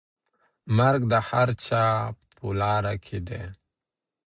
مرګ د هر چا په لاره کي دی.